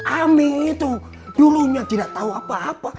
kami itu dulunya tidak tahu apa apa